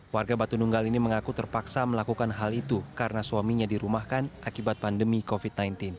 warga batu nunggal ini mengaku terpaksa melakukan hal itu karena suaminya dirumahkan akibat pandemi covid sembilan belas